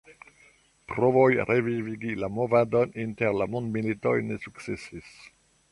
Provoj revivigi la movadon inter la Mondmilitoj ne sukcesis.